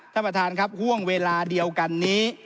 ท่านประธานครับห่วงเวลาเดียวกันนี้